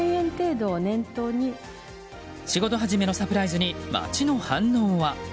仕事始めのサプライズに街の反応は？